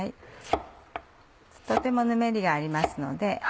とてもヌメりがありますので。